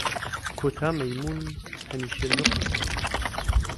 کۆتا مەیموون هەمیشە نوقم دەبێت.